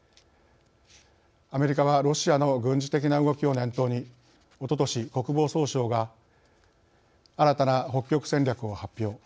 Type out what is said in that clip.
アメリカはロシアの軍事的な動きを念頭におととし国防総省が新たな北極戦略を発表。